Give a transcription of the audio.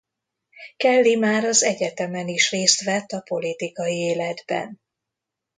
Kelly már az egyetemen is részt vett a politikai életben.